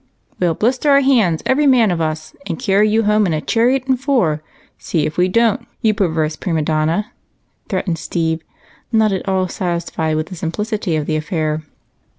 "We'll blister our hands every man of us, and carry you home in a chariot and four see if we don't, you perverse prima donna!" threatened Steve, not at all satisfied with the simplicity of the affair.